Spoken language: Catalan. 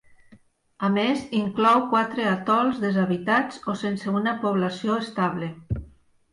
A més, inclou quatre atols deshabitats o sense una població estable.